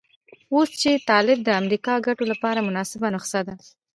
اوس چې طالب د امریکا ګټو لپاره مناسبه نسخه ده.